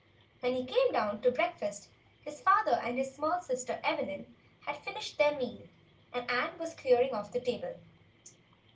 WTien he came down to breakfast his father and his small sister Evelyn had finished their meal, and Ann was clearing off the table.